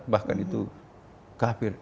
bahkan itu kafir